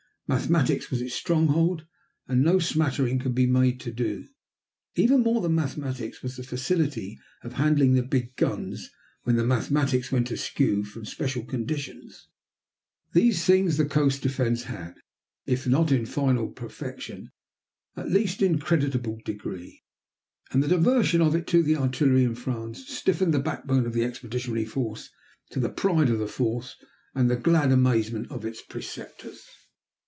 Mathematics was its stronghold, and no smattering could be made to do. Even more than mathematics was the facility of handling the big guns when mathematics went askew from special conditions. These things the coast defense had, if not in final perfection, at least in creditable degree. And the diversion of it to the artillery in France stiffened the backbone of the Expeditionary Force to the pride of the force and the glad amazement of its preceptors.